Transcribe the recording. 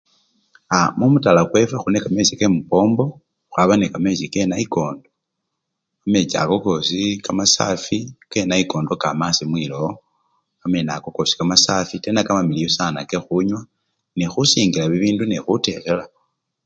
A! mumutala kwefwe khuli nende kamechi kemupombo, khwaba nekamechi kenayikondo, kamechi ako kosi kamasafwi kenayikondo kama asii mwilowo kamene ako kosi kamasafwi tena kamamiliyu sana kekhunywa nekhusingila bibindu nekhutekhela.